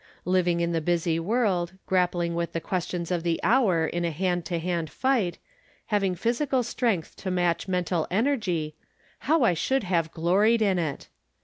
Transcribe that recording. Living in the busy world, grap pling with the questions of the hour, in a hand to hand fight, having physical strength to match mental energy — how I should have gloried in it